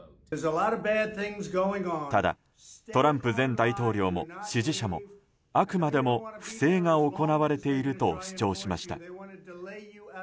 ただ、トランプ前大統領も支持者もあくまでも不正が行われていると主張しました。